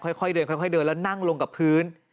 ค่อยเดินแล้วนั่งลงกับพื้น